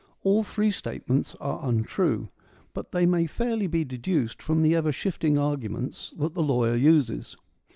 All three statements are untrue ; but THE ATTIC ORATORS 191 they may fairly be deduced from the ever shifting arguments that the lawyer uses.